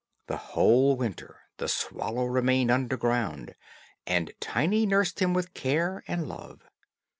The whole winter the swallow remained underground, and Tiny nursed him with care and love.